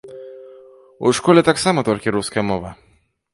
У школе таксама толькі руская мова.